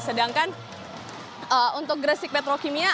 sedangkan untuk gresik petrokimia